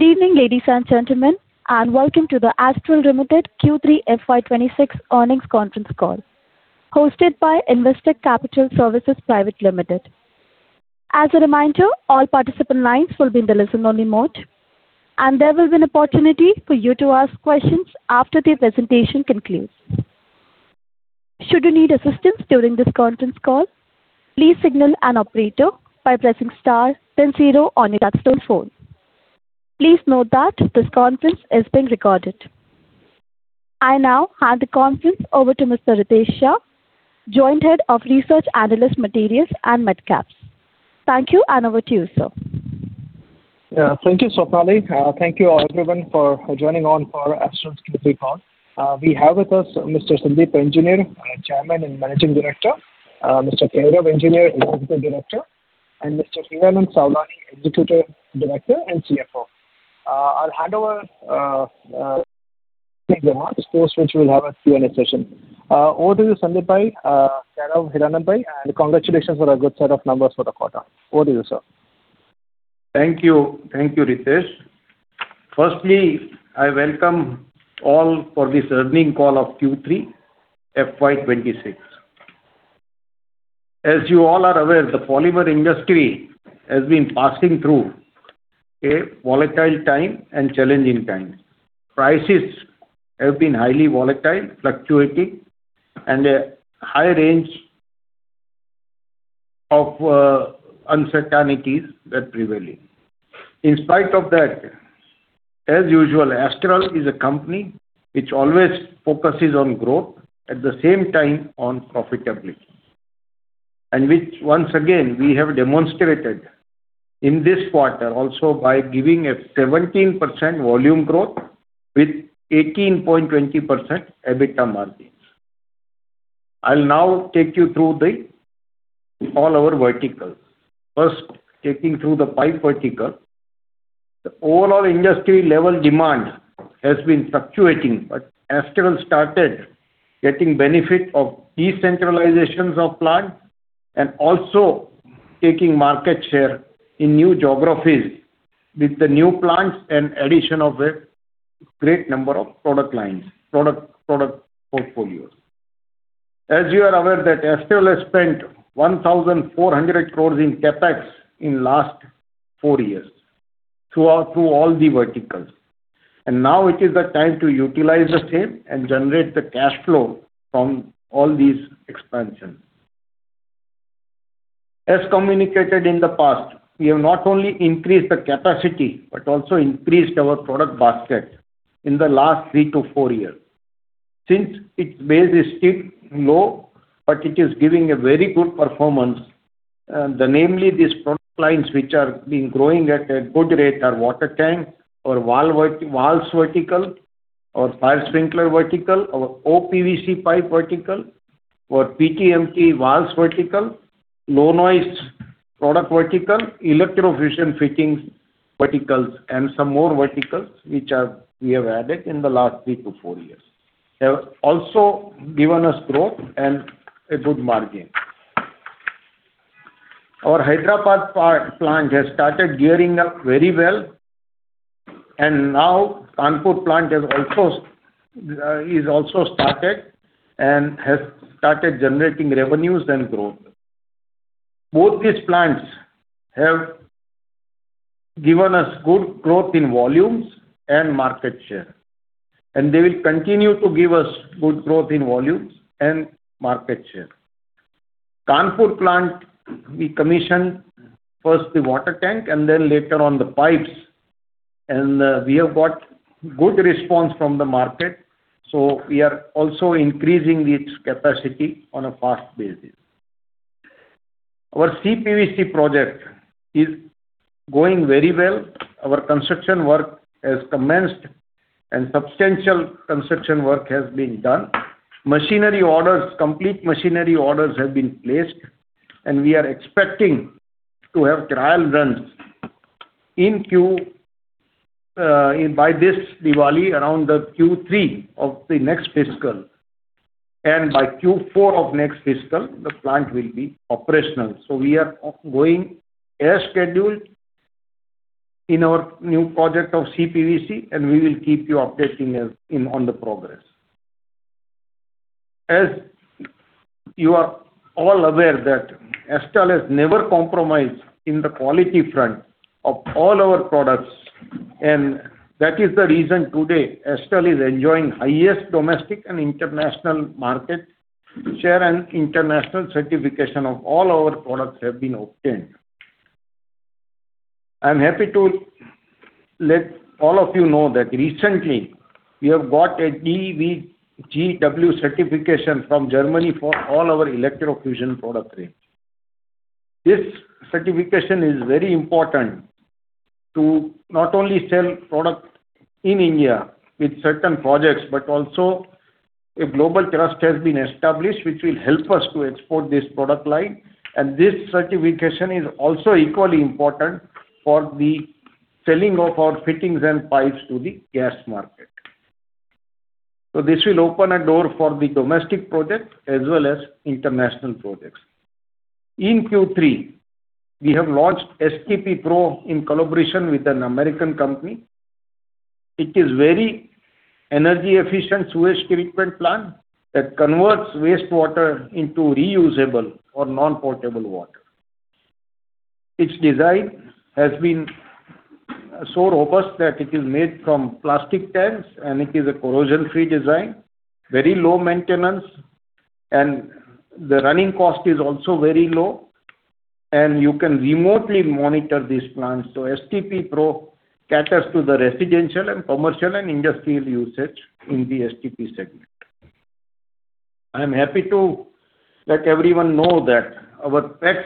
Good evening, ladies and gentlemen, and welcome to the Astral Limited Q3 FY 2026 earnings conference call, hosted by Investec Capital Services Private Limited. As a reminder, all participant lines will be in the listen-only mode, and there will be an opportunity for you to ask questions after the presentation concludes. Should you need assistance during this conference call, please signal an operator by pressing star then zero on your telephone. Please note that this conference is being recorded. I now hand the conference over to Mr. Ritesh Shah, Joint Head of Research, Analyst Materials and Midcaps. Thank you, and over to you, sir. Thank you, Swapnali. Thank you, all everyone, for joining on for Astral's Q3 call. We have with us Mr. Sandeep Engineer, Chairman and Managing Director, Mr. Kairav Engineer, Executive Director, and Mr. Hiranand Savlani, Executive Director and CFO. I'll hand over, post which we'll have a Q&A session. Over to you, Sandeep bhai, Gaurav, Hiranand bhai, and congratulations for a good set of numbers for the quarter. Over to you, sir. Thank you. Thank you, Ritesh. Firstly, I welcome all for this earnings call of Q3 FY 2026. As you all are aware, the polymer industry has been passing through a volatile time and challenging time. Prices have been highly volatile, fluctuating, and a high range of uncertainties that prevail. In spite of that, as usual, Astral is a company which always focuses on growth, at the same time, on profitability. And which, once again, we have demonstrated in this quarter also by giving a 17% volume growth with 18.20% EBITDA margin. I'll now take you through all our verticals. First, taking through the pipe vertical. The overall industry level demand has been fluctuating, but Astral started getting benefit of decentralizations of plant and also taking market share in new geographies with the new plants and addition of a great number of product lines, product, product portfolios. As you are aware that Astral has spent 1,400 crores in CapEx in last four years through all the verticals, and now it is the time to utilize the same and generate the cash flow from all these expansions. As communicated in the past, we have not only increased the capacity, but also increased our product basket in the last 3-4 years. Since its base is still low, but it is giving a very good performance, namely, these product lines which are being growing at a good rate are water tank or valves vertical, or fire sprinkler vertical, or OPVC pipe vertical, or PTMT valves vertical, low noise product vertical, electrofusion fittings verticals, and some more verticals which are, we have added in the last three to four years. They have also given us growth and a good margin. Our Hyderabad plant has started gearing up very well, and now Kanpur plant has also started and has started generating revenues and growth. Both these plants have given us good growth in volumes and market share, and they will continue to give us good growth in volumes and market share. Kanpur plant, we commissioned first the water tank and then later on the pipes, and we have got good response from the market, so we are also increasing its capacity on a fast basis. Our CPVC project is going very well. Our construction work has commenced, and substantial construction work has been done. Machinery orders, complete machinery orders have been placed, and we are expecting to have trial runs in Q by this Diwali, around the Q3 of the next fiscal. And by Q4 of next fiscal, the plant will be operational. So we are going as scheduled in our new project of CPVC, and we will keep you updating as in on the progress. As you are all aware, that Astral has never compromised in the quality front of all our products, and that is the reason today Astral is enjoying highest domestic and international market share and international certification of all our products have been obtained. I'm happy to let all of you know that recently we have got a DVGW certification from Germany for all our electrofusion product range. This certification is very important to not only sell product in India with certain projects, but also a global trust has been established, which will help us to export this product line. This certification is also equally important for the selling of our fittings and pipes to the gas market. So this will open a door for the domestic projects as well as international projects. In Q3, we have launched STP Pro in collaboration with an American company. It is very energy efficient sewage treatment plant, that converts wastewater into reusable or non-potable water. Its design has been so robust that it is made from plastic tanks, and it is a corrosion-free design, very low maintenance, and the running cost is also very low, and you can remotely monitor these plants. So STP Pro caters to the residential, and commercial, and industrial usage in the STP segment. I am happy to let everyone know that our PEX,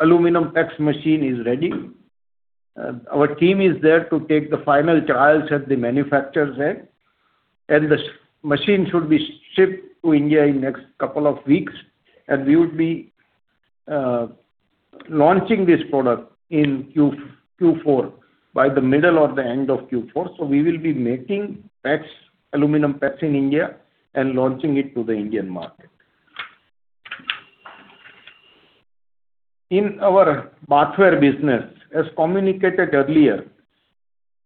aluminum PEX machine is ready. Our team is there to take the final trials at the manufacturer's end, and the machine should be shipped to India in next couple of weeks, and we would be launching this product in Q4, by the middle or the end of Q4. So we will be making PEX, aluminum PEX in India, and launching it to the Indian market. In our bathware business, as communicated earlier,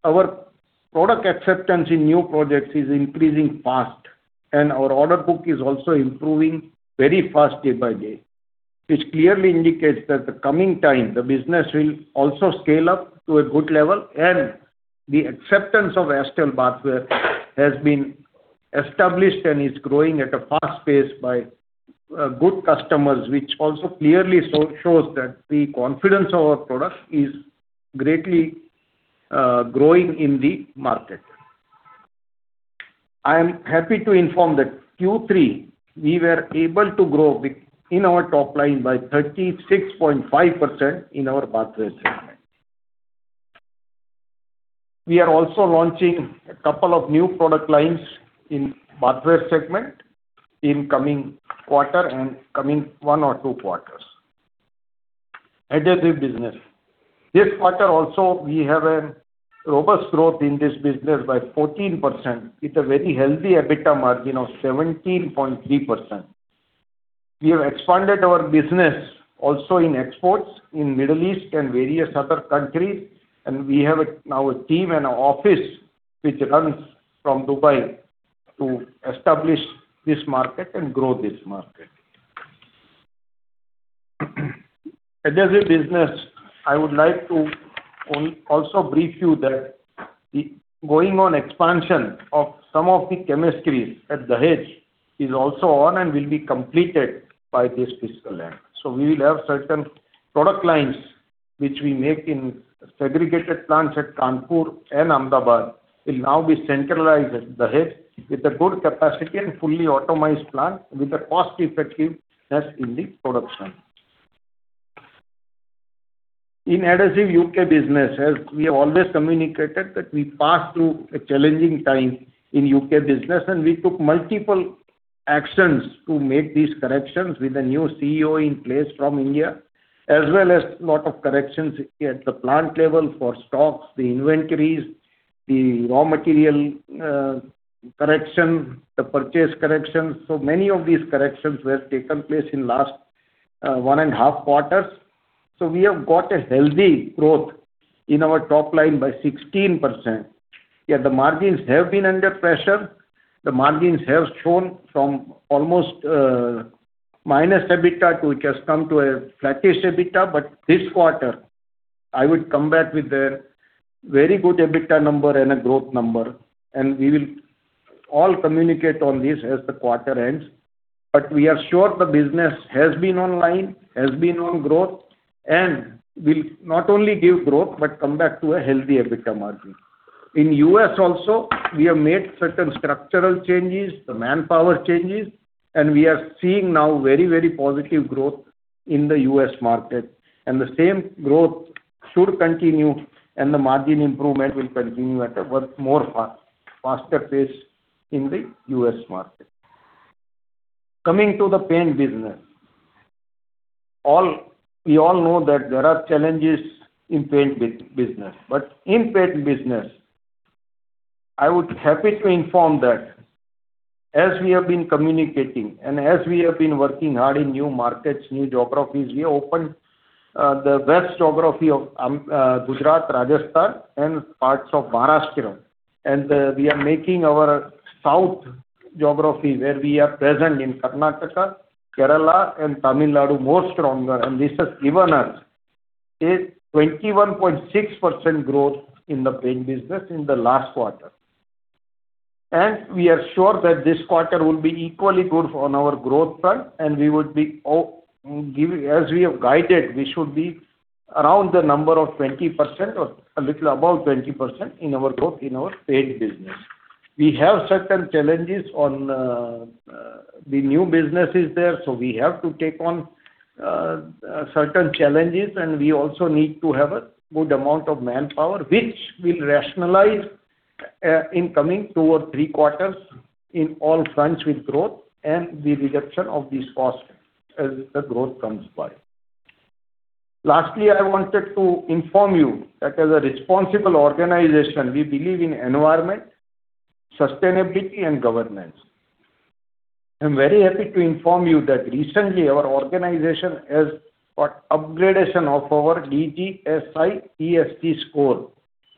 our product acceptance in new projects is increasing fast, and our order book is also improving very fast day by day. This clearly indicates that the coming time, the business will also scale up to a good level, and the acceptance of Astral bathware has been established and is growing at a fast pace by good customers, which also clearly shows that the confidence of our product is greatly growing in the market. I am happy to inform that Q3, we were able to grow the, in our top line by 36.5% in our bathware segment. We are also launching a couple of new product lines in bathware segment in coming quarter and coming one or two quarters. Adhesive business. This quarter also, we have a robust growth in this business by 14%, with a very healthy EBITDA margin of 17.3%. We have expanded our business also in exports, in Middle East and various other countries, and we have a, now a team and an office which runs from Dubai to establish this market and grow this market. Adhesive business, I would like to also brief you that the ongoing expansion of some of the chemistries at Dahej is also on and will be completed by this fiscal end. So we will have certain product lines, which we make in segregated plants at Kanpur and Ahmedabad, will now be centralized at Dahej, with a good capacity and fully automated plant, with a cost effectiveness in the production. In Adhesives U.K. business, as we have always communicated, that we passed through a challenging time in U.K. business, and we took multiple actions to make these corrections with a new CEO in place from India, as well as lot of corrections at the plant level for stocks, the inventories, the raw material, correction, the purchase corrections. So many of these corrections were taken place in last, 1.5 quarters. So we have got a healthy growth in our top line by 16%, yet the margins have been under pressure. The margins have shown from almost, minus EBITDA, which has come to a flattish EBITDA. But this quarter, I would come back with a very good EBITDA number and a growth number, and we will all communicate on this as the quarter ends. But we are sure the business has been online, has been on growth, and will not only give growth, but come back to a healthy EBITDA margin. In the U.S. also, we have made certain structural changes, the manpower changes, and we are seeing now very, very positive growth in the U.S. market. And the same growth should continue, and the margin improvement will continue at a much more fast, faster pace in the U.S. market. Coming to the paint business. We all know that there are challenges in paint business. But in paint business, I would happy to inform that as we have been communicating and as we have been working hard in new markets, new geographies, we opened the west geography of Gujarat, Rajasthan, and parts of Maharashtra. And we are making our south geography, where we are present in Karnataka, Kerala, and Tamil Nadu, more stronger, and this has given us a 21.6% growth in the paint business in the last quarter. And we are sure that this quarter will be equally good on our growth front, and we would be, as we have guided, we should be around the number of 20% or a little above 20% in our growth in our paint business. We have certain challenges on the new businesses there, so we have to take on certain challenges, and we also need to have a good amount of manpower, which will rationalize in coming two or three quarters in all fronts with growth and the reduction of these costs as the growth comes by. Lastly, I wanted to inform you that as a responsible organization, we believe in environment, sustainability, and governance. I'm very happy to inform you that recently our organization has got upgradation of our DJSI ESG score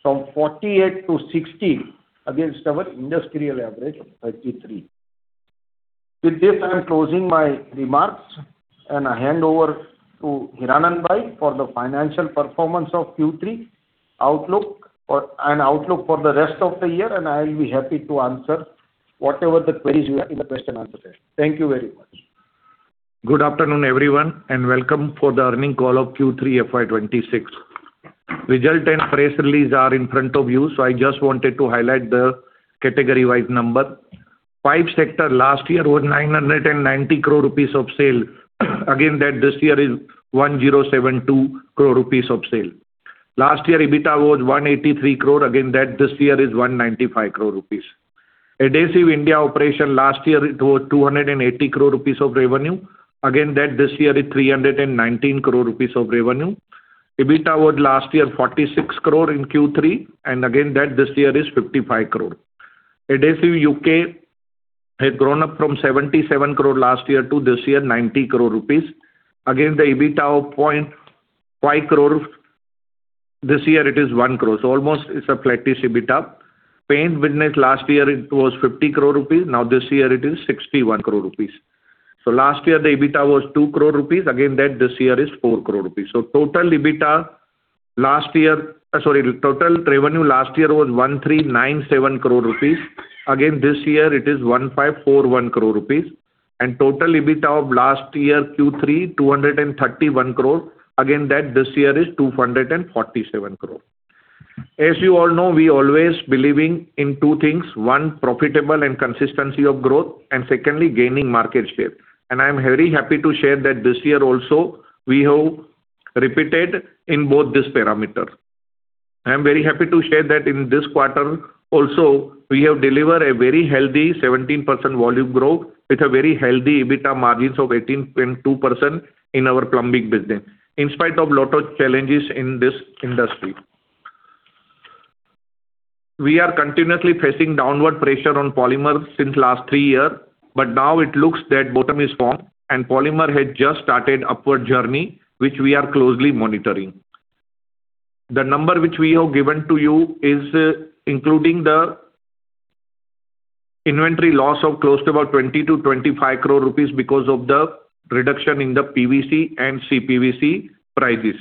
from 48 to 60, against our industrial average of 33. With this, I'm closing my remarks, and I hand over to Hiranand Savlani for the financial performance of Q3, outlook for - and outlook for the rest of the year, and I will be happy to answer whatever the queries you have in the question and answer session. Thank you very much. Good afternoon, everyone, and welcome for the earnings call of Q3 FY 2026. Results and press release are in front of you, so I just wanted to highlight the category-wide numbers. Pipes sector last year was 990 crore rupees of sales. And that this year is 1,072 crore rupees of sales. Last year, EBITDA was 183 crore. And that this year is 195 crore rupees. Adhesives India operations last year, it was 280 crore rupees of revenue. And that this year is 319 crore rupees of revenue. EBITDA was last year 46 crore in Q3, and and that this year is 55 crore. Adhesives UK had grown up from 77 crore last year to this year, 90 crore rupees. And the EBITDA of 0.5 crore, this year it is 1 crore. So almost it's a flattish EBITDA. Paint business last year it was 50 crore rupees, now this year it is 61 crore rupees. So last year the EBITDA was 2 crore rupees, again, that this year is 4 crore rupees. So total revenue last year was 1,397 crore rupees. Again, this year it is 1,541 crore rupees, and total EBITDA of last year, Q3, 231 crore, again, that this year is 247 crore. As you all know, we always believing in two things: one, profitable and consistency of growth, and secondly, gaining market share. And I'm very happy to share that this year also, we have repeated in both this parameter. I'm very happy to share that in this quarter also, we have delivered a very healthy 17% volume growth, with a very healthy EBITDA margins of 18.2% in our plumbing business, in spite of lot of challenges in this industry. We are continuously facing downward pressure on polymers since last three year, but now it looks that bottom is formed, and polymer has just started upward journey, which we are closely monitoring. The number which we have given to you is, including the inventory loss of close to about 20 crore-25 crore rupees because of the reduction in the PVC and CPVC prices.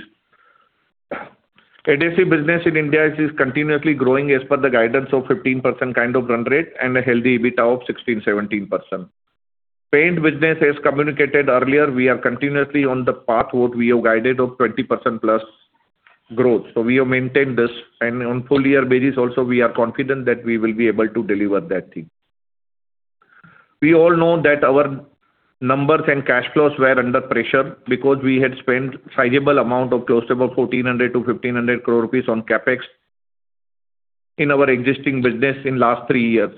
Adhesive business in India is continuously growing as per the guidance of 15% kind of run rate and a healthy EBITDA of 16%-17%. Paint business, as communicated earlier, we are continuously on the path what we have guided of 20%+ growth, so we have maintained this. On full year basis also, we are confident that we will be able to deliver that thing. We all know that our numbers and cash flows were under pressure because we had spent sizable amount of close to about 1,400 crore-1,500 crore rupees on CapEx in our existing business in last three years.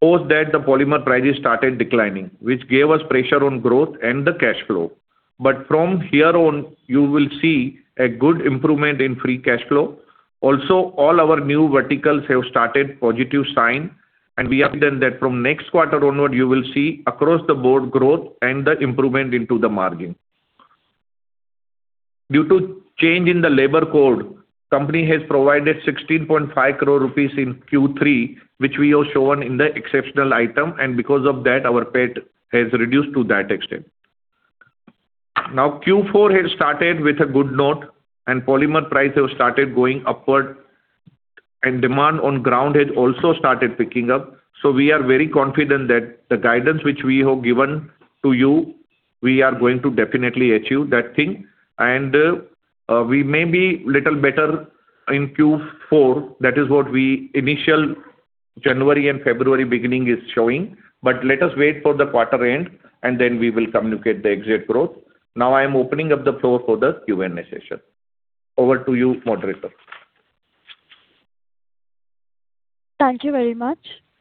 Post that, the polymer prices started declining, which gave us pressure on growth and the cash flow. But from here on, you will see a good improvement in free cash flow. Also, all our new verticals have started positive sign, and we are confident that from next quarter onward, you will see across the board growth and the improvement into the margin. Due to change in the labor code, company has provided 16.5 crore rupees in Q3, which we have shown in the exceptional item, and because of that, our PAT has reduced to that extent. Now, Q4 has started with a good note, and polymer prices have started going upward, and demand on ground has also started picking up. So we are very confident that the guidance which we have given to you, we are going to definitely achieve that thing. And, we may be little better in Q4. That is what we initial January and February beginning is showing. But let us wait for the quarter end, and then we will communicate the exact growth. Now I am opening up the floor for the Q&A session. Over to you, moderator. Thank you very much.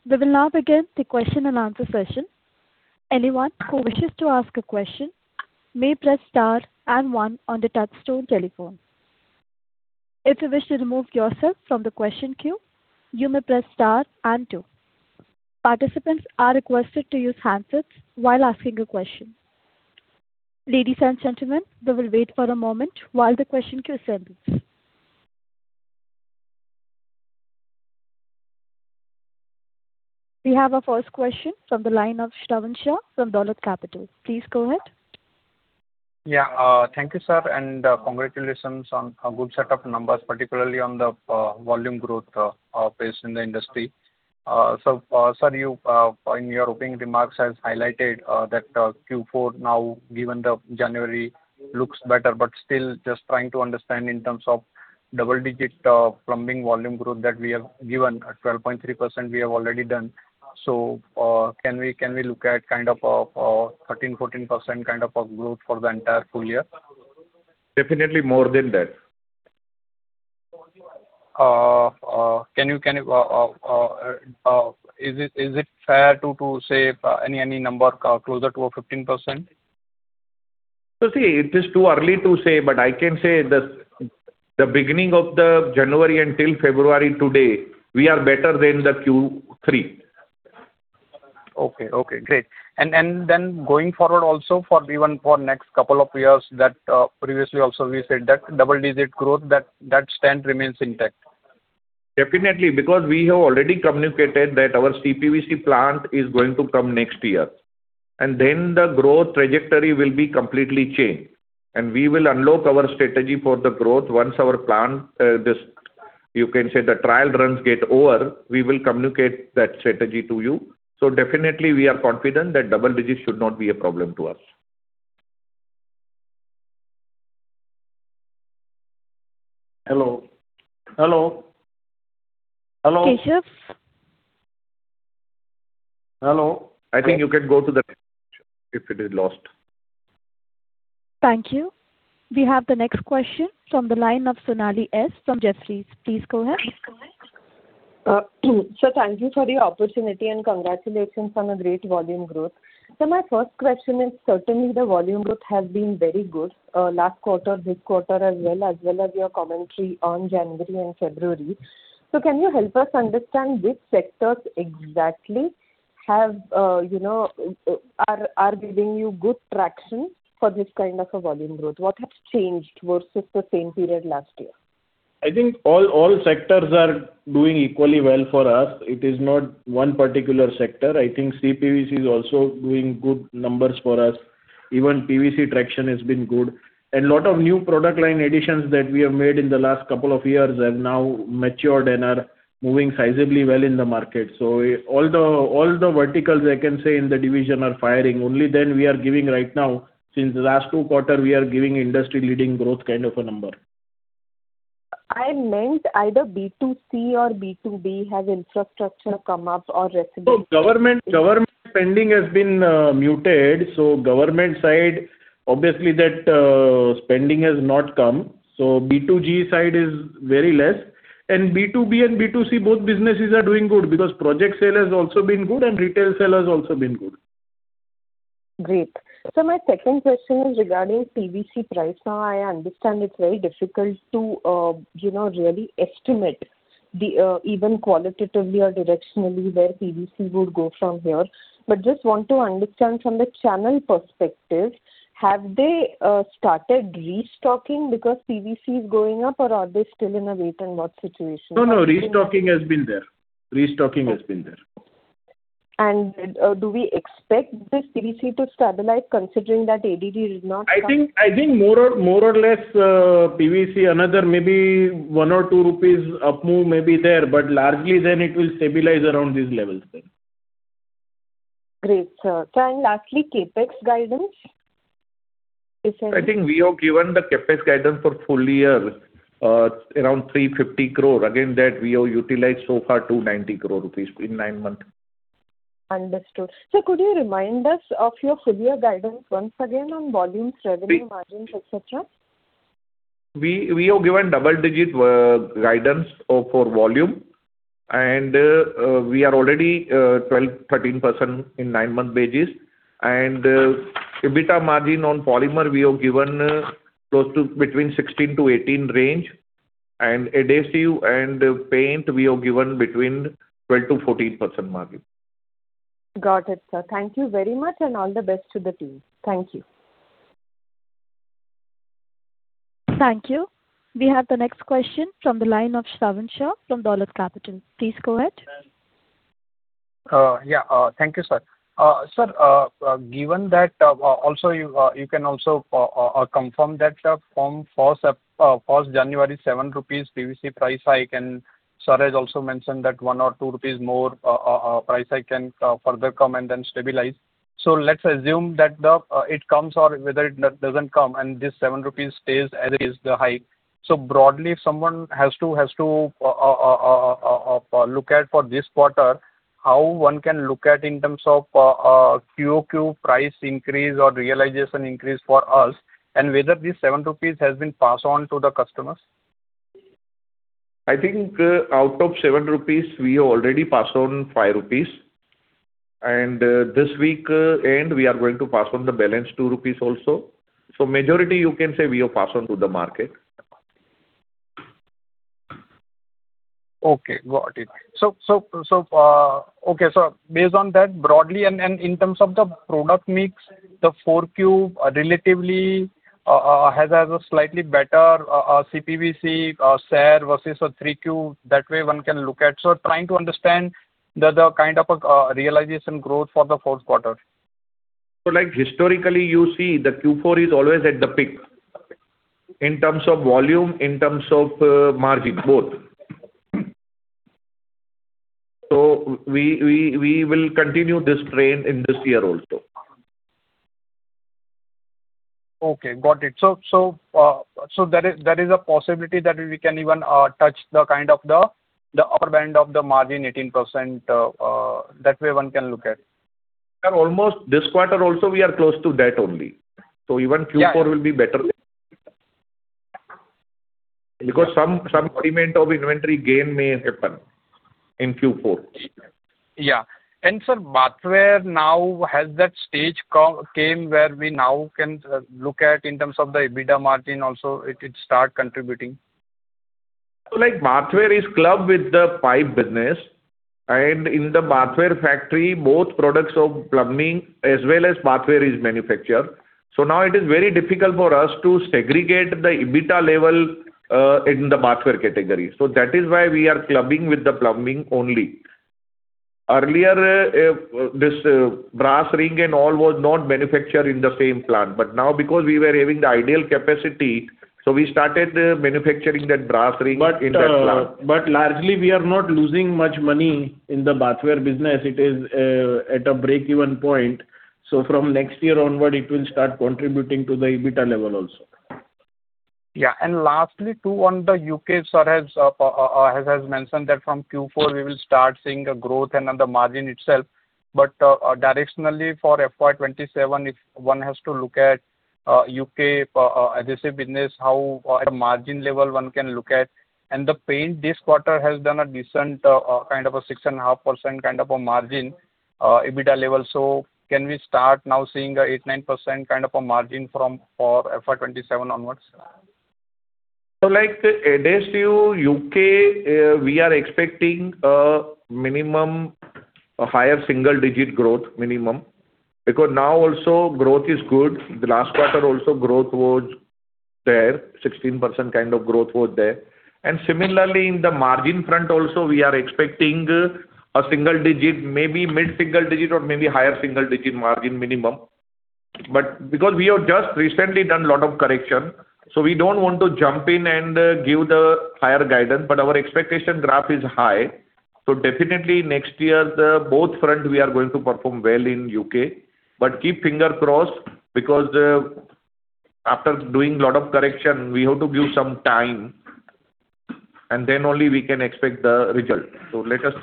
We will now begin the question and answer session. Anyone who wishes to ask a question may press star and one on the touchtone telephone. If you wish to remove yourself from the question queue, you may press star and two. Participants are requested to use handsets while asking a question. Ladies and gentlemen, we will wait for a moment while the question queue settles. We have our first question from the line of Shravan Shah from Dolat Capital. Please go ahead. Yeah, thank you, sir, and, congratulations on a good set of numbers, particularly on the, volume growth, based in the industry. So, sir, you, in your opening remarks, has highlighted, that, Q4 now, given the January, looks better. But still just trying to understand in terms of double digit, plumbing volume growth that we have given, at 12.3% we have already done. So, can we, can we look at kind of, 13%-14% kind of a growth for the entire full year? Definitely more than that. Is it fair to say any number closer to 15%? So, see, it is too early to say, but I can say the beginning of January until February today, we are better than the Q3. Okay, okay, great. And, and then going forward also for even for next couple of years, that, previously also we said that double digit growth, that, that stance remains intact? Definitely, because we have already communicated that our CPVC plant is going to come next year, and then the growth trajectory will be completely changed. And we will unlock our strategy for the growth once our plant, this, you can say, the trial runs get over, we will communicate that strategy to you. So definitely, we are confident that double digits should not be a problem to us. Hello? Hello? Hello. Keshav. Hello. I think you can go to the next question, if it is lost. Thank you. We have the next question from the line of Sonali S. from Jefferies. Please go ahead. So thank you for the opportunity, and congratulations on the great volume growth. My first question is, certainly the volume growth has been very good, last quarter, this quarter as well, as well as your commentary on January and February. So can you help us understand which sectors exactly have, you know, are giving you good traction for this kind of a volume growth? What has changed versus the same period last year? I think all, all sectors are doing equally well for us. It is not one particular sector. I think CPVC is also doing good numbers for us. Even PVC traction has been good. And a lot of new product line additions that we have made in the last couple of years have now matured and are moving sizably well in the market. So all the, all the verticals I can say in the division are firing. Only then we are giving right now, since the last two quarter, we are giving industry-leading growth kind of a number. I meant either B2C or B2B, has infrastructure come up or residential- No, government spending has been muted, so government side, obviously, that spending has not come. So B2G side is very less, and B2B and B2C, both businesses are doing good because project sale has also been good and retail sale has also been good. Great. So my second question is regarding PVC price. Now, I understand it's very difficult to, you know, really estimate the, even qualitatively or directionally, where PVC would go from here. But just want to understand from the channel perspective, have they started restocking because PVC is going up, or are they still in a wait-and-watch situation? No, no, restocking has been there. Restocking has been there. Do we expect this PVC to stabilize, considering that ADD is not coming? I think, I think more or less, PVC, another maybe 1 or 2 rupees up move may be there, but largely then it will stabilize around these levels then. Great, sir. Sir, and lastly, CapEx guidance? I think we have given the CapEx guidance for full year, around 350 crore. Again, that we have utilized so far 290 crore rupees in nine months. Understood. Sir, could you remind us of your full year guidance once again on volumes, revenue, margins, et cetera? We, we have given double-digit guidance of for volume, and we are already 12%-13% in nine-month basis. And EBITDA margin on polymer, we have given close to between 16%-18% range, and adhesive and paint, we have given between 12%-14% margin. Got it, sir. Thank you very much, and all the best to the team. Thank you. Thank you. We have the next question from the line of Shravan Shah from Dolat Capital. Please go ahead. Yeah, thank you, sir. Sir, given that, also you can also confirm that, from first January, 7 rupees PVC price hike, and Suresh also mentioned that 1 or 2 rupees more price hike can further come and then stabilize. So let's assume that it comes or whether it doesn't come, and this 7 rupees stays as is, the hike. So broadly, someone has to look at for this quarter, how one can look at in terms of QoQ price increase or realization increase for us, and whether this 7 rupees has been passed on to the customers? I think, out of 7 rupees, we already passed on 5 rupees. This weekend, we are going to pass on the balance 2 rupees also. So, majority, you can say, we have passed on to the market. Okay, got it. So, okay, so based on that, broadly and in terms of the product mix, the Q4 are relatively has a slightly better CPVC share versus a Q3. That way one can look at. So trying to understand the kind of realization growth for the fourth quarter. So like historically, you see, the Q4 is always at the peak in terms of volume, in terms of margin, both. So we will continue this trend in this year also. Okay, got it. So, there is a possibility that we can even touch the kind of upper end of the margin, 18%, that way one can look at? Sir, almost this quarter also we are close to that only. So even Q4 will be better. Because some element of inventory gain may happen in Q4. Yeah. And sir, bathware now, has that stage come where we now can look at in terms of the EBITDA margin also? It, it start contributing? So like, bathware is clubbed with the pipe business, and in the bathware factory, both products of plumbing as well as bathware is manufactured. So now it is very difficult for us to segregate the EBITDA level in the bathware category. So that is why we are clubbing with the plumbing only. Earlier, this brass ring and all was not manufactured in the same plant, but now, because we were having the ideal capacity, so we started manufacturing that brass ring in that plant. But, but largely, we are not losing much money in the bathware business. It is at a break-even point, so from next year onward, it will start contributing to the EBITDA level also. Yeah. And lastly, too, on the U.K., sir, as mentioned, that from Q4 we will start seeing a growth and on the margin itself. But directionally for FY 2027, if one has to look at U.K. adhesive business, how at a margin level one can look at. And the paint this quarter has done a decent kind of a 6.5% kind of a margin EBITDA level. So can we start now seeing a 8%-9% kind of a margin from for FY 2027 onwards? So, like, adhesive U.K., we are expecting a minimum, a higher single-digit growth, minimum. Because now also growth is good. The last quarter also, growth was there, 16% kind of growth was there. And similarly, in the margin front also, we are expecting a single digit, maybe mid-single digit or maybe higher single-digit margin minimum. But because we have just recently done a lot of correction, so we don't want to jump in and give the higher guidance, but our expectation graph is high. So definitely next year, the both front we are going to perform well in U.K. But keep finger crossed, because, after doing a lot of correction, we have to give some time, and then only we can expect the result. So let us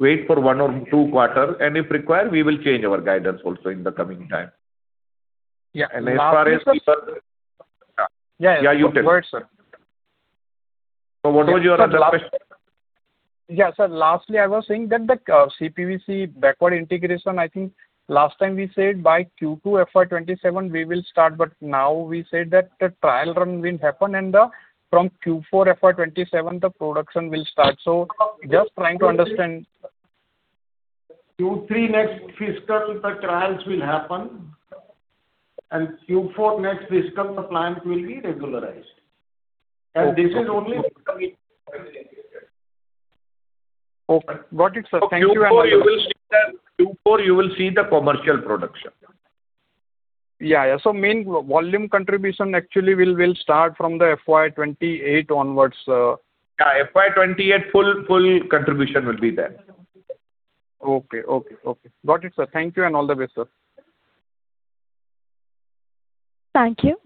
wait for one or two quarter, and if required, we will change our guidance also in the coming time. Yeah. As far as we are- Yeah. Yeah, you can. Go ahead, sir. So what was your other question? Yeah, sir, lastly, I was saying that the CPVC backward integration, I think last time we said by Q2 FY 2027, we will start, but now we said that the trial run will happen and from Q4 FY 2027, the production will start. So just trying to understand. Q3 next fiscal, the trials will happen, and Q4 next fiscal, the plant will be regularized. Okay. This is only- Okay. Got it, sir. Thank you. Q4, you will see the commercial production. Yeah, yeah. So main volume contribution actually will start from FY 2028 onwards. Yeah, FY 2028, full, full contribution will be there. Okay, okay, okay. Got it, sir. Thank you, and all the best, sir. Thank you.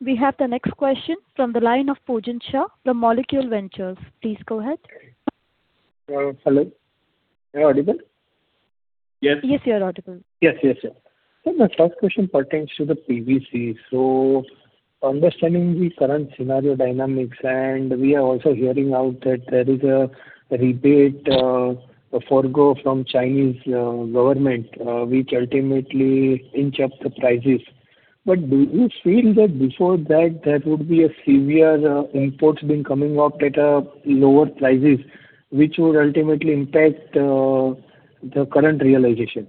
We have the next question from the line of Pujan Shah from Molecule Ventures. Please go ahead. Hello, am I audible? Yes. Yes, you are audible. Yes, yes, yes. So my first question pertains to the PVC. So understanding the current scenario dynamics, and we are also hearing out that there is a rebate, forgo from Chinese government, which ultimately inch up the prices. But do you feel that before that, there would be a severe imports been coming up at lower prices, which would ultimately impact the current realization?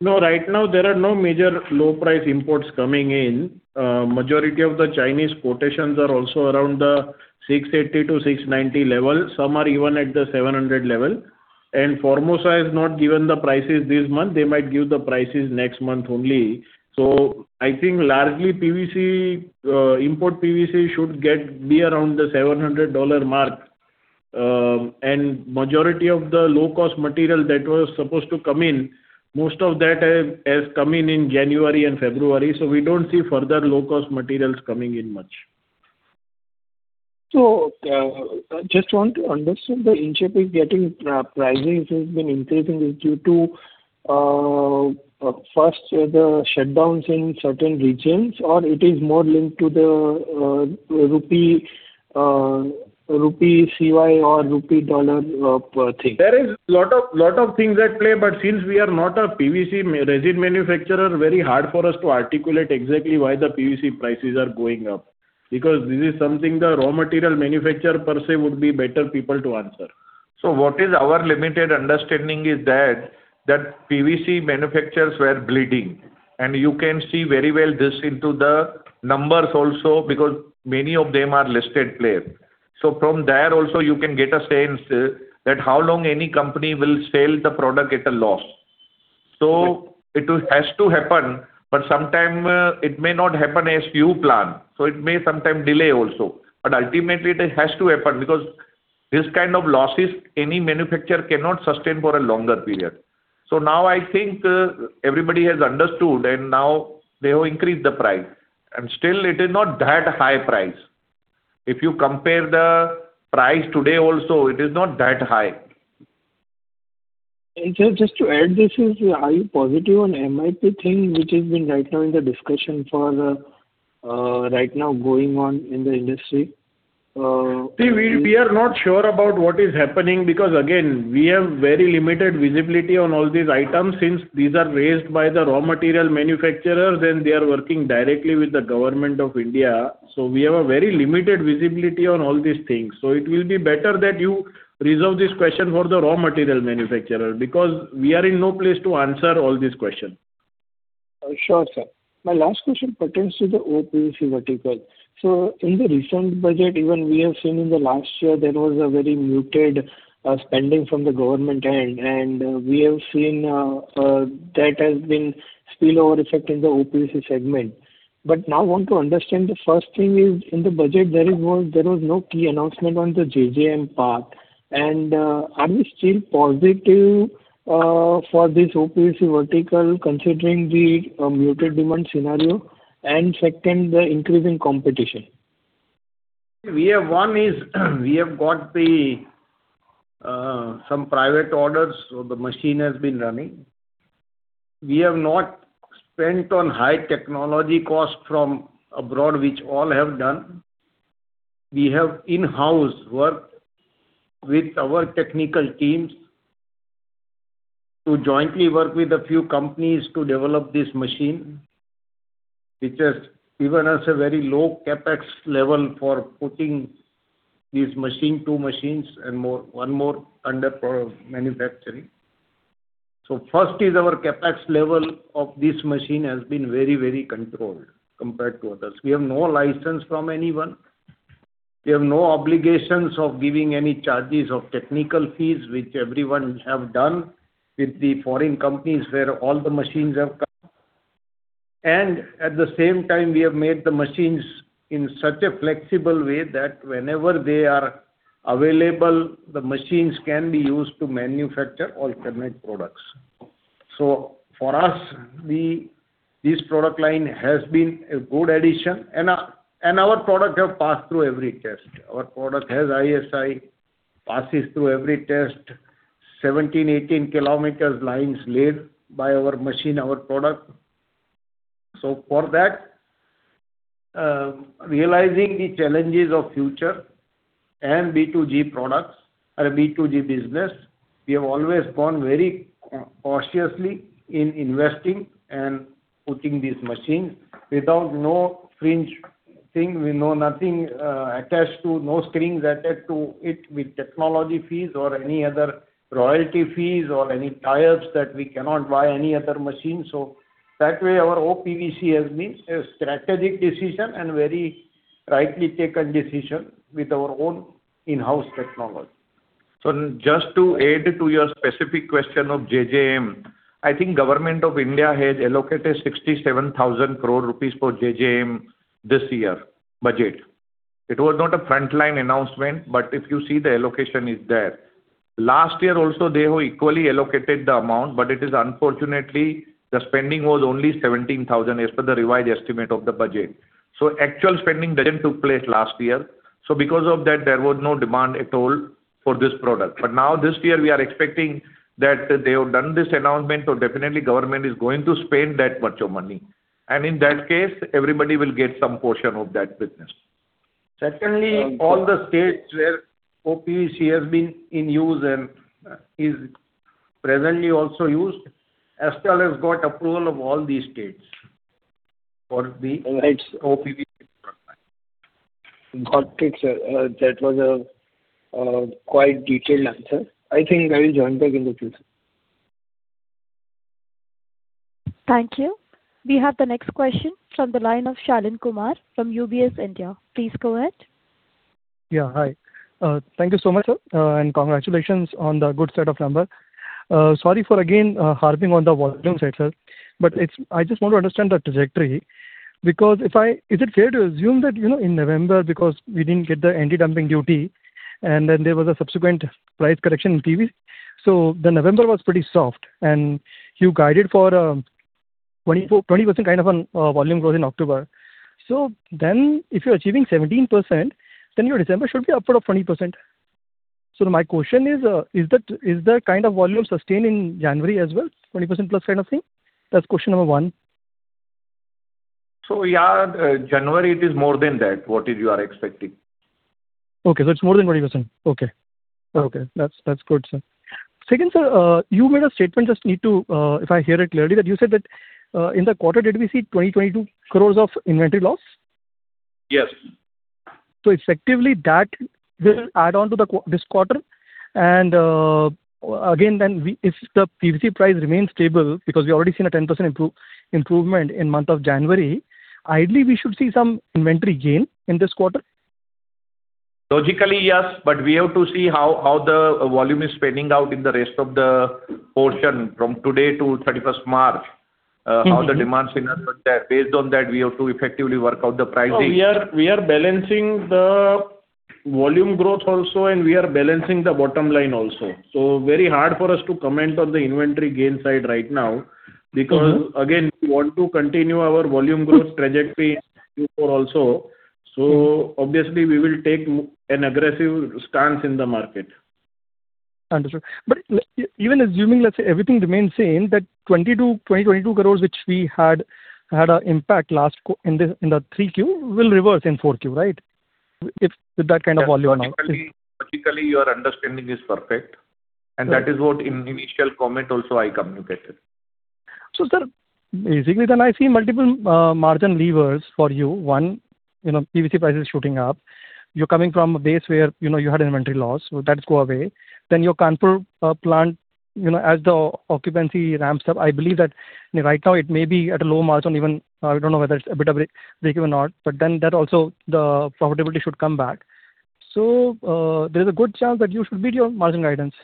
No, right now, there are no major low-price imports coming in. Majority of the Chinese quotations are also around the $680-$690 level. Some are even at the $700 level. And Formosa has not given the prices this month. They might give the prices next month only. So I think largely, PVC, import PVC should get, be around the $700 mark. And majority of the low-cost material that was supposed to come in, most of that has come in in January and February, so we don't see further low-cost materials coming in much. Just want to understand, the inch up in getting prices has been increasing is due to first, the shutdowns in certain regions, or it is more linked to the rupee CY or rupee dollar thing? There is a lot of, a lot of things at play, but since we are not a PVC resin manufacturer, very hard for us to articulate exactly why the PVC prices are going up. Because this is something the raw material manufacturer per se would be better people to answer. So what is our limited understanding is that, that PVC manufacturers were bleeding, and you can see very well this into the numbers also, because many of them are listed players. So from there also, you can get a sense that how long any company will sell the product at a loss. So it has to happen, but sometimes, it may not happen as you plan, so it may sometimes delay also. But ultimately, it has to happen, because this kind of losses, any manufacturer cannot sustain for a longer period. So now I think, everybody has understood, and now they will increase the price. And still, it is not that high price. If you compare the price today also, it is not that high. Just, just to add this, are you positive on MIP thing, which has been right now in the discussion for the right now going on in the industry? See, we are not sure about what is happening, because, again, we have very limited visibility on all these items since these are raised by the raw material manufacturers, and they are working directly with the Government of India. We have a very limited visibility on all these things. It will be better that you resolve this question for the raw material manufacturer, because we are in no place to answer all these question. Sure, sir. My last question pertains to the OPVC vertical. So in the recent budget, even we have seen in the last year, there was a very muted spending from the government end, and we have seen that has been spillover effect in the OPVC segment. But now I want to understand, the first thing is, in the budget, there was no key announcement on the JJM path. And are you still positive for this OPVC vertical, considering the muted demand scenario, and second, the increasing competition? We have one is, we have got the, some private orders, so the machine has been running. We have not spent on high technology costs from abroad, which all have done. We have in-house work with our technical teams to jointly work with a few companies to develop this machine, which has given us a very low CapEx level for putting these machine, two machines, and more, one more under pro-manufacturing. So first is our CapEx level of this machine has been very, very controlled compared to others. We have no license from anyone. We have no obligations of giving any charges of technical fees, which everyone have done with the foreign companies, where all the machines have come. And at the same time, we have made the machines in such a flexible way that whenever they are available, the machines can be used to manufacture alternate products. So for us, we, this product line has been a good addition. And our, and our product have passed through every test. Our product has ISI, passes through every test, 17-18 km lines laid by our machine, our product. So for that, realizing the challenges of future and B2G products or B2G business, we have always gone very cautiously in investing and putting these machines. Without no fringe thing, we know nothing attached to. no strings attached to it, with technology fees or any other royalty fees or any tires that we cannot buy any other machine. So that way, our OPVC has been a strategic decision and very rightly taken decision with our own in-house technology. So just to add to your specific question of JJM, I think Government of India has allocated 67,000 crore rupees for JJM this year budget. It was not a frontline announcement, but if you see, the allocation is there. Last year also, they have equally allocated the amount, but it is unfortunately, the spending was only 17,000, as per the revised estimate of the budget. So actual spending didn't took place last year. So because of that, there was no demand at all for this product. But now this year, we are expecting that they have done this announcement, so definitely government is going to spend that much of money. And in that case, everybody will get some portion of that business. Secondly, all the states where OPVC has been in use and is presently also used, Astral has got approval of all these states for the- All right. OPVC product. Got it, sir. That was a quite detailed answer. I think I will join back in the queue, sir. Thank you. We have the next question from the line of Shaleen Kumar from UBS India. Please go ahead. Yeah. Hi, thank you so much, sir, and congratulations on the good set of number. Sorry for again, harping on the volumes here, sir, but it's - I just want to understand the trajectory, because if I... Is it fair to assume that, you know, in November, because we didn't get the anti-dumping duty, and then there was a subsequent price correction in PVC, so November was pretty soft, and you guided for, 24%, 20% kind of a volume growth in October. So then if you're achieving 17%, then your December should be upward of 20%. So my question is, is that, is the kind of volume sustained in January as well, 20%+ kind of thing? That's question number one. Yeah, January, it is more than that. What is you are expecting? Okay, so it's more than 20%. Okay. Okay, that's, that's good, sir. Second, sir, you made a statement, just need to, if I hear it clearly, that you said that, in the quarter, did we see 22 crore of inventory loss? Yes. Effectively, that will add on to this quarter, and, again, then we, if the PVC price remains stable, because we've already seen a 10% improvement in the month of January, ideally, we should see some inventory gain in this quarter? Logically, yes, but we have to see how the volume is panning out in the rest of the portion from today to 31st March. Mm-hmm. How the demand signals are there. Based on that, we have to effectively work out the pricing. So we are balancing the volume growth also, and we are balancing the bottom line also. So very hard for us to comment on the inventory gain side right now, because, again, we want to continue our volume growth trajectory Q4 also. So obviously, we will take an aggressive stance in the market. Understood. But even assuming, let's say, everything remains same, that 22 crore, which we had, had an impact last quarter in the Q3, will reverse in Q4, right? If with that kind of volume now. Yes, logically, logically, your understanding is perfect, and that is what in initial comment also I communicated. So, sir, basically, then I see multiple, margin levers for you. One, you know, PVC price is shooting up. You're coming from a base where, you know, you had inventory loss, so that go away. Then your Kanpur, plant, you know, as the occupancy ramps up, I believe that right now it may be at a low margin, even, I don't know whether it's a bit of it break or not, but then that also, the profitability should come back. So, there is a good chance that you should beat your margin guidance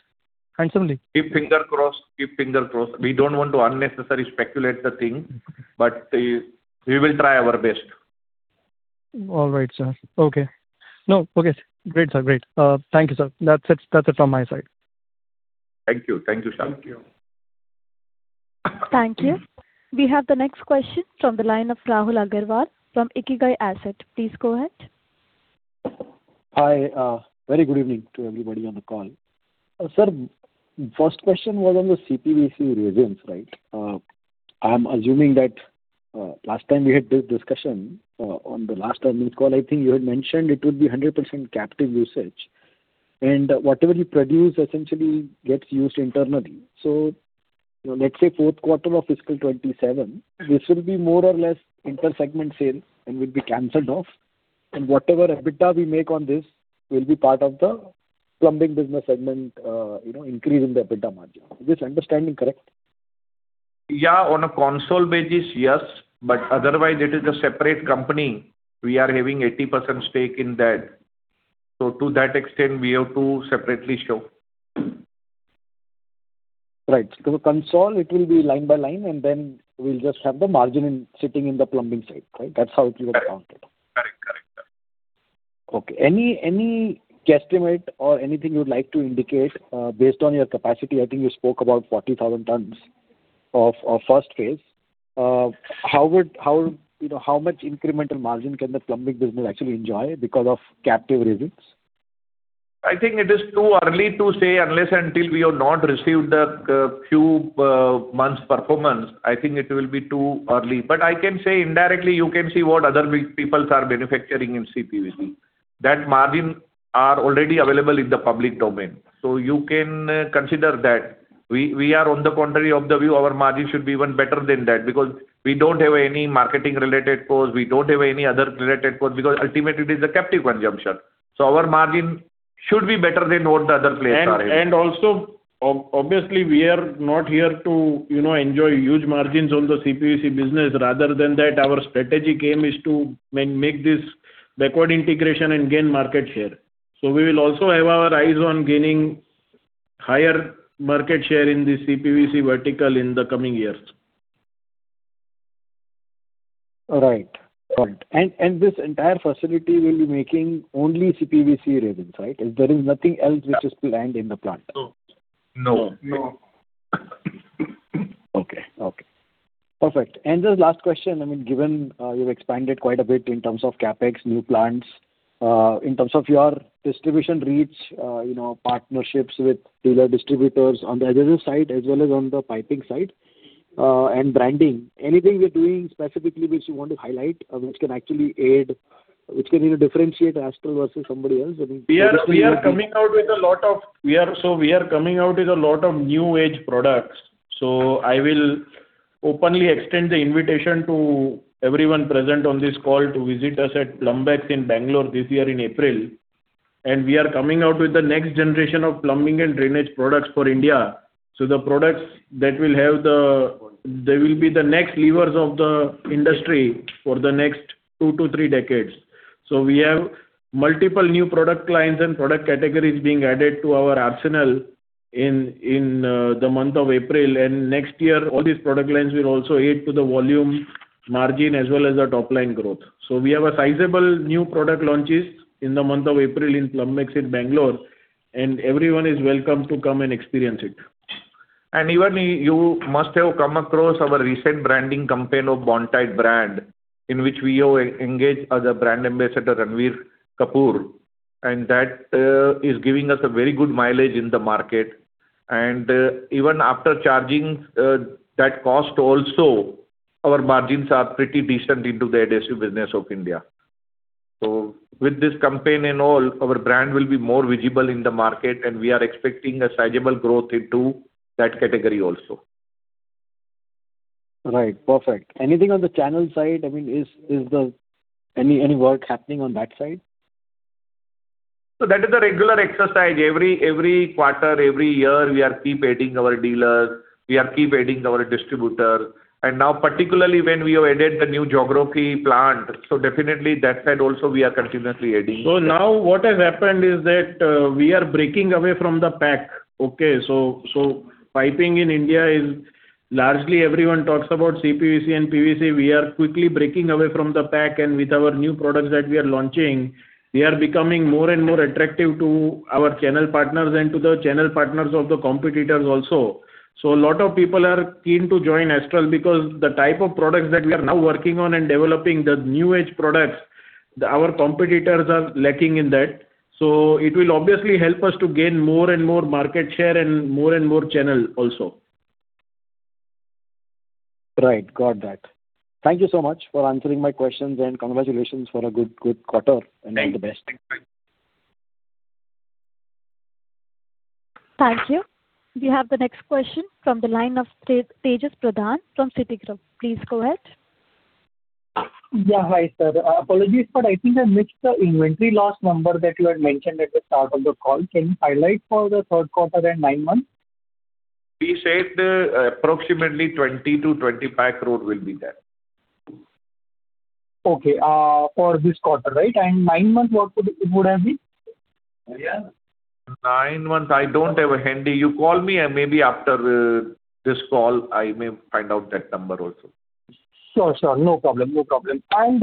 handsomely. Keep fingers crossed, keep fingers crossed. We don't want to unnecessarily speculate the thing, but we, we will try our best. All right, sir. Okay. No, okay. Great, sir. Great. Thank you, sir. That's it, that's it from my side. Thank you. Thank you, Shaleen. Thank you. Thank you. We have the next question from the line of Rahul Agarwal from Ikigai Asset. Please go ahead. Hi, very good evening to everybody on the call. Sir, first question was on the CPVC resins, right? I'm assuming that, last time we had this discussion, on the last earnings call, I think you had mentioned it would be 100% captive usage, and whatever you produce essentially gets used internally. So let's say fourth quarter of fiscal 2027, this will be more or less inter-segment sale and will be canceled off, and whatever EBITDA we make on this will be part of the plumbing business segment, you know, increase in the EBITDA margin. Is this understanding correct? Yeah. On a consolidated basis, yes, but otherwise, it is a separate company. We are having 80% stake in that, so to that extent, we have to separately show. Right. So the console, it will be line by line, and then we'll just have the margin in, sitting in the plumbing side, right? That's how it will be accounted. Correct. Correct, correct, sir. Okay. Any, any guesstimate or anything you'd like to indicate based on your capacity? I think you spoke about 40,000 tons of first phase. How, you know, how much incremental margin can the plumbing business actually enjoy because of captive resins? I think it is too early to say, unless until we have not received a few months' performance, I think it will be too early. But I can say indirectly, you can see what other big peoples are manufacturing in CPVC. That margin are already available in the public domain, so you can consider that. We, we are on the contrary of the view, our margin should be even better than that, because we don't have any marketing-related costs, we don't have any other related costs, because ultimately it is a captive consumption. So our margin should be better than what the other players are having. Also, obviously, we are not here to, you know, enjoy huge margins on the CPVC business. Rather than that, our strategic aim is to make this backward integration and gain market share. So we will also have our eyes on gaining higher market share in the CPVC vertical in the coming years. Right. Got it. And, and this entire facility will be making only CPVC resins, right? There is nothing else which is planned in the plant. No. No. No. Okay. Okay, perfect. And just last question, I mean, given, you've expanded quite a bit in terms of CapEx, new plants, in terms of your distribution reach, you know, partnerships with dealer distributors on the adhesive side, as well as on the piping side, and branding. Anything you're doing specifically which you want to highlight, which can actually aid, which can either differentiate Astral versus somebody else? I mean- We are coming out with a lot of new age products. So I will openly extend the invitation to everyone present on this call to visit us at Plumbex in Bangalore this year in April. And we are coming out with the next generation of plumbing and drainage products for India. So the products that will have they will be the next levers of the industry for the next two to three decades. So we have multiple new product lines and product categories being added to our arsenal in the month of April. And next year, all these product lines will also add to the volume margin as well as the top line growth. So we have a sizable new product launches in the month of April in Plumbex in Bangalore, and everyone is welcome to come and experience it. And even you, you must have come across our recent branding campaign of Bondtite brand, in which we have engaged as a brand ambassador, Ranbir Kapoor, and that is giving us a very good mileage in the market. And even after charging that cost also, our margins are pretty decent into the adhesive business of India. So with this campaign and all, our brand will be more visible in the market, and we are expecting a sizable growth into that category also. Right. Perfect. Anything on the channel side? I mean, is the. Any work happening on that side? So that is a regular exercise. Every, every quarter, every year, we are keep adding our dealers, we are keep adding our distributors. And now, particularly when we have added the new geography plant, so definitely that side also, we are continuously adding. So now what has happened is that, we are breaking away from the pack. Okay? So piping in India is largely everyone talks about CPVC and PVC. We are quickly breaking away from the pack, and with our new products that we are launching, we are becoming more and more attractive to our channel partners and to the channel partners of the competitors also. So a lot of people are keen to join Astral, because the type of products that we are now working on and developing, the new age products, our competitors are lacking in that. So it will obviously help us to gain more and more market share and more and more channel also. Right. Got that. Thank you so much for answering my questions, and congratulations for a good, good quarter, and all the best. Thank you. We have the next question from the line of Tejas Pradhan from Citigroup. Please go ahead. Yeah. Hi, sir. Apologies, but I think I missed the inventory loss number that you had mentioned at the start of the call. Can you highlight for the third quarter and nine months? We said, approximately 20 crore-25 crore will be there. Okay. For this quarter, right? And nine months, what would have been? Yeah. Nine months, I don't have a handy. You call me and maybe after this call, I may find out that number also. Sure, sure. No problem, no problem. And,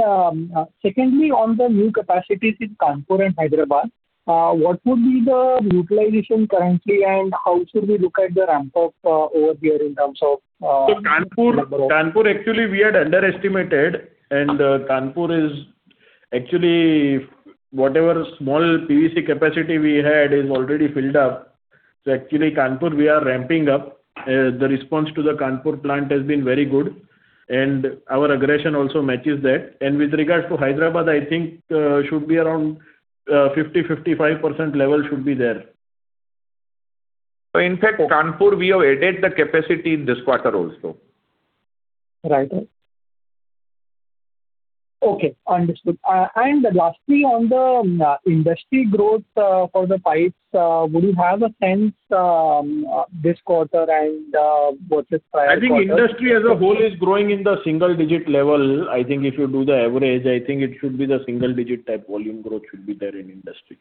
secondly, on the new capacities in Kanpur and Hyderabad, what would be the utilization currently, and how should we look at the ramp up over there in terms of, So Kanpur, Kanpur, actually, we had underestimated, and Kanpur is actually whatever small PVC capacity we had is already filled up. So actually, Kanpur, we are ramping up. The response to the Kanpur plant has been very good, and our aggression also matches that. And with regards to Hyderabad, I think should be around 50%-55% level should be there. So in fact, Kanpur, we have added the capacity in this quarter also. Right. Okay, understood. And lastly, on the industry growth for the pipes, would you have a sense this quarter and versus prior quarter? I think industry as a whole is growing in the single digit level. I think if you do the average, I think it should be the single digit type volume growth should be there in industry.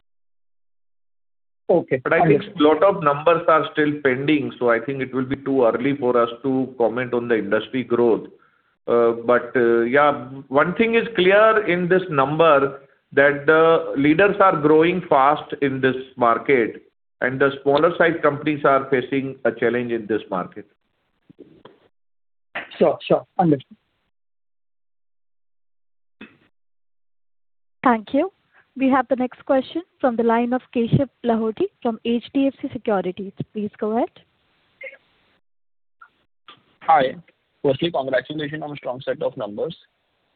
Okay. But I think lot of numbers are still pending, so I think it will be too early for us to comment on the industry growth. Yeah, one thing is clear in this number, that the leaders are growing fast in this market, and the smaller-sized companies are facing a challenge in this market. Sure, sure. Understood. Thank you. We have the next question from the line of Keshav Lahoti from HDFC Securities. Please go ahead. Hi. Firstly, congratulations on a strong set of numbers.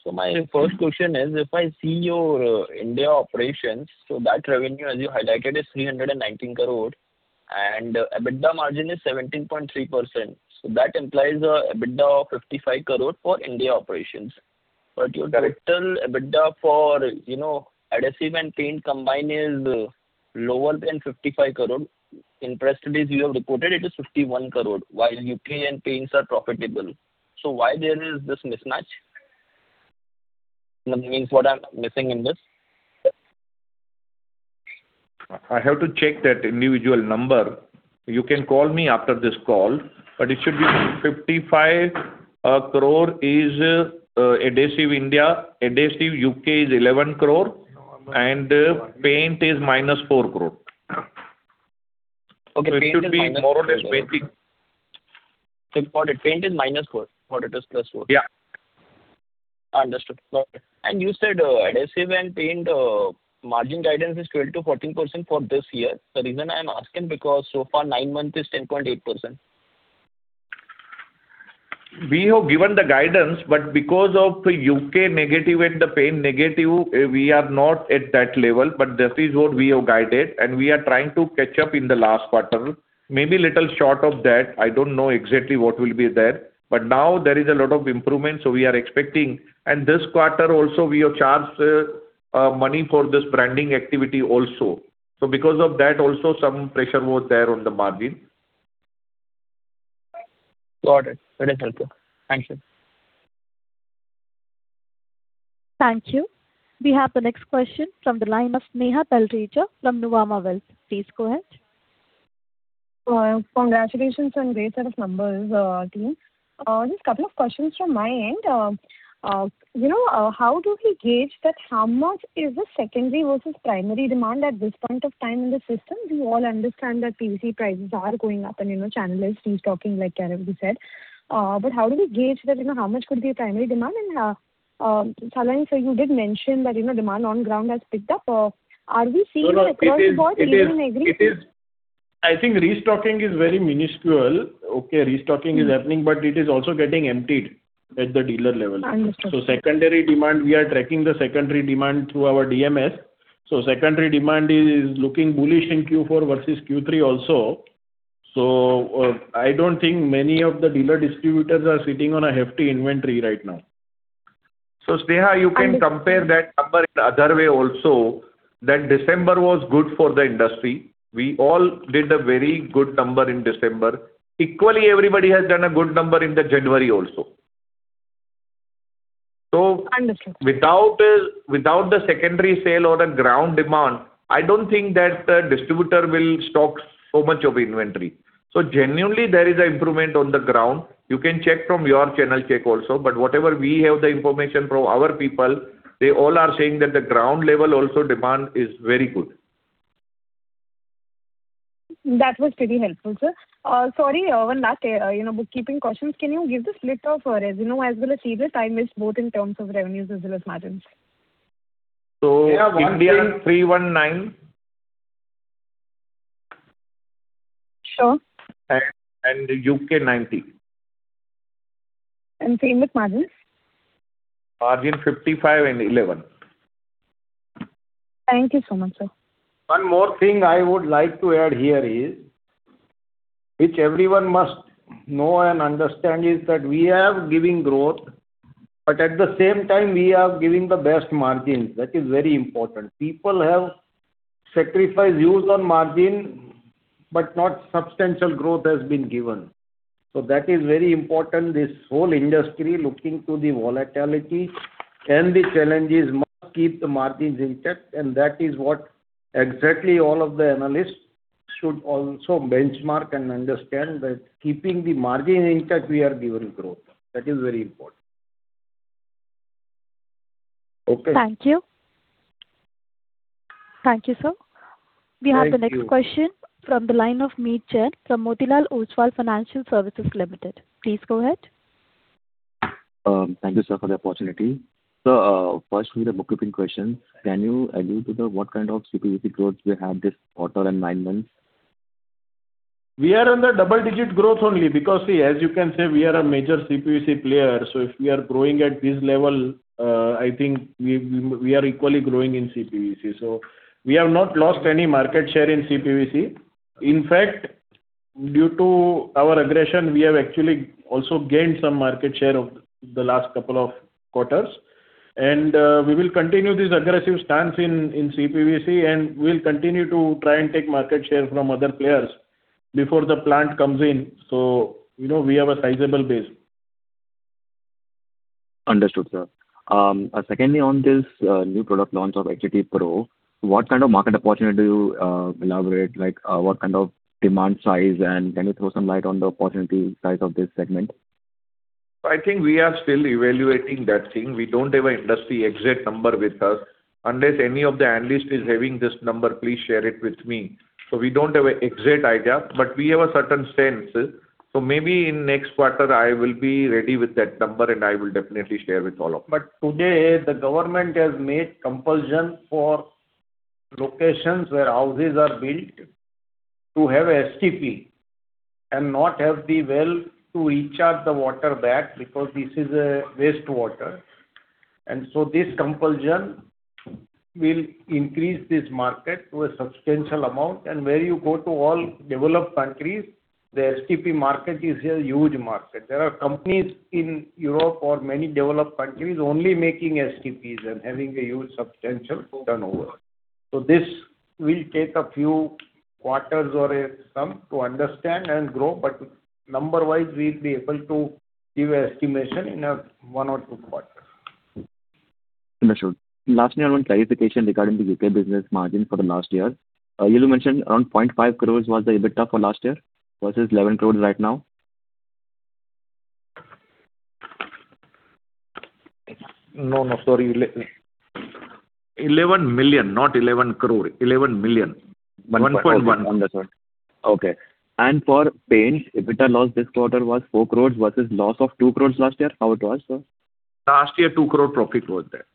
So my first question is, if I see your India operations, so that revenue, as you highlighted, is 319 crore, and EBITDA margin is 17.3%. So that implies a EBITDA of 55 crore for India operations. But your total EBITDA for, you know, adhesive and paint combined is lower than 55 crore. In press release you have reported it is 51 crore, while UK and paints are profitable. So why there is this mismatch? Means, what I'm missing in this? I have to check that individual number. You can call me after this call, but it should be 55 crore is adhesive India. Adhesive UK is 11 crore, and paint is -4 crore. Okay, paint is -4 crore. Tomorrow is painting. Got it. Paint is -4, thought it is +4. Yeah. Understood. Got it. And you said, adhesive and paint, margin guidance is 12%-14% for this year. The reason I'm asking, because so far, nine months is 10.8%. We have given the guidance, but because of the U.K. negative and the paint negative, we are not at that level, but this is what we have guided, and we are trying to catch up in the last quarter. Maybe little short of that, I don't know exactly what will be there, but now there is a lot of improvement, so we are expecting. This quarter also, we have charged, money for this branding activity also. So because of that also, some pressure was there on the margin. Got it. It is helpful. Thank you. Thank you. We have the next question from the line of Sneha Dawda from Nuvama Wealth. Please go ahead. Congratulations on great set of numbers, team. Just couple of questions from my end. You know, how do we gauge that how much is the secondary versus primary demand at this point of time in the system? We all understand that PVC prices are going up, and, you know, channel is restocking, like Gaurav said. But how do we gauge that, you know, how much could be a primary demand? And, Salani, sir, you did mention that, you know, demand on ground has picked up. Are we seeing it across the board- It is. Do you agree? I think restocking is very minuscule. Okay, restocking is happening, but it is also getting emptied at the dealer level. Understood. So secondary demand, we are tracking the secondary demand through our DMS. So secondary demand is looking bullish in Q4 versus Q3 also. So, I don't think many of the dealer distributors are sitting on a hefty inventory right now. So, Neha, you can compare that number in other way also, that December was good for the industry. We all did a very good number in December. Equally, everybody has done a good number in the January also. So, without the, without the secondary sale or the ground demand, I don't think that the distributor will stock so much of inventory. So genuinely, there is an improvement on the ground. You can check from your channel check also, but whatever we have the information from our people, they all are saying that the ground level also demand is very good. That was pretty helpful, sir. Sorry, one last, you know, bookkeeping question. Can you give the split of revenue as well as EBITDA? I missed both in terms of revenues as well as margins. India, 319. Sure. U.K., 90. Same with margins? Margin, 55 and 11. Thank you so much, sir. One more thing I would like to add here is, which everyone must know and understand, is that we are giving growth, but at the same time, we are giving the best margins. That is very important. People have sacrificed yields on margin, but not substantial growth has been given. So that is very important. This whole industry, looking to the volatility and the challenges, must keep the margins intact, and that is what exactly all of the analysts should also benchmark and understand, that keeping the margin intact, we are giving growth. That is very important. Okay. Thank you. Thank you, sir. Thank you. We have the next question from the line of Meet Jain from Motilal Oswal Financial Services Limited. Please go ahead. Thank you, sir, for the opportunity. So, first with the bookkeeping questions, can you allude to the what kind of CPVC growth we have this quarter and nine months? We are on the double digit growth only because, see, as you can say, we are a major CPVC player, so if we are growing at this level, I think we are equally growing in CPVC. So we have not lost any market share in CPVC. In fact, due to our aggression, we have actually also gained some market share over the last couple of quarters. And, we will continue this aggressive stance in, in CPVC, and we'll continue to try and take market share from other players before the plant comes in, so you know, we have a sizable base. Understood, sir. Secondly, on this new product launch of STP Pro, what kind of market opportunity do you elaborate? Like, what kind of demand size, and can you throw some light on the opportunity size of this segment? I think we are still evaluating that thing. We don't have an industry exact number with us. Unless any of the analysts is having this number, please share it with me. So we don't have an exact idea, but we have a certain sense. So maybe in next quarter, I will be ready with that number, and I will definitely share with all of you. But today, the government has made compulsion for locations where houses are built to have STP and not have the well to recharge the water back, because this is a wastewater. And so this compulsion will increase this market to a substantial amount. And where you go to all developed countries, the STP market is a huge market. There are companies in Europe or many developed countries only making STPs and having a huge substantial turnover. So this will take a few quarters or so to understand and grow, but number-wise, we'll be able to give an estimation in one or two quarters. Understood. Last year, one clarification regarding the U.K. business margin for the last year. You mentioned around 0.5 crore was the EBITDA for last year versus 11 crore right now? No, no, sorry. 11 million, not 11 crore. 11 million. Understood. Okay. For paint, EBITDA loss this quarter was 4 crore versus loss of 2 crore last year. How it was, sir? Last year, 2 crore profit was there.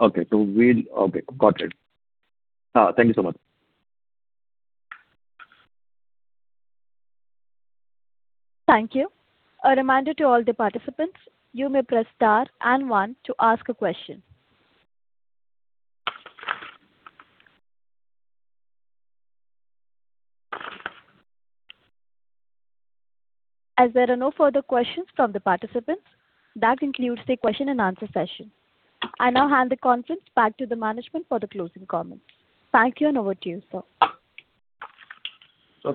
Okay. Okay, got it. Thank you so much. Thank you. A reminder to all the participants, you may press star and one to ask a question. As there are no further questions from the participants, that concludes the question and answer session. I now hand the conference back to the management for the closing comments. Thank you, and over to you, sir.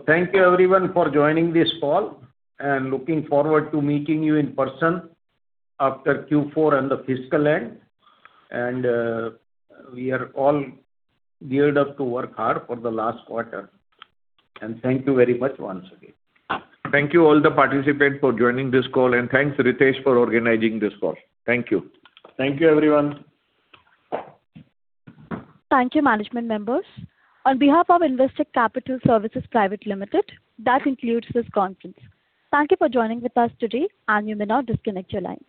Thank you, everyone, for joining this call, and looking forward to meeting you in person after Q4 and the fiscal end. We are all geared up to work hard for the last quarter. Thank you very much once again. Thank you all the participants for joining this call, and thanks, Ritesh, for organizing this call. Thank you. Thank you, everyone. Thank you, management members. On behalf of Investec Capital Services Private Limited, that concludes this conference. Thank you for joining with us today, and you may now disconnect your lines.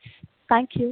Thank you.